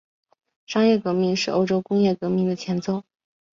商业革命是欧洲工业革命的前奏。